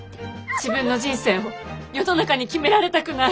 自分の人生を世の中に決められたくない。